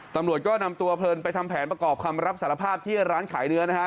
ตำรวจก็นำตัวเพลินไปทำแผนประกอบคำรับสารภาพที่ร้านขายเนื้อนะฮะ